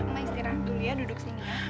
mah istirahat dulu ya duduk sini ya